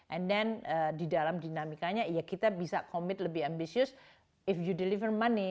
and then di dalam dinamikanya ya kita bisa commit lebih ambisius i you deliver money